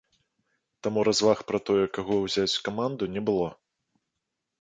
Таму разваг пра тое, каго ўзяць у каманду, не было.